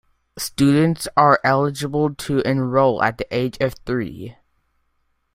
Students are eligible to enroll at the age of three.